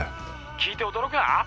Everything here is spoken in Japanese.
聞いて驚くな！